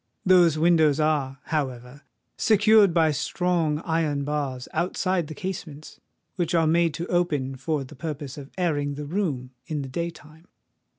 Those windows are, however, secured by strong iron bars outside the casements, which are made to open for the purpose of airing the room in the day time.